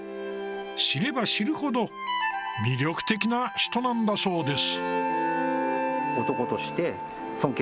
知れば知るほど魅力的な人なんだそうです。